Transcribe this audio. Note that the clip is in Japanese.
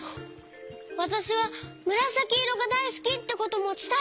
「わたしはむらさきいろがだいすき」ってこともつたえたい！